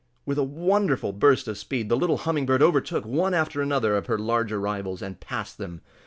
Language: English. With a wonderful burst of speed the little Humming Bird overtook one after another of her larger rivals, and passed them.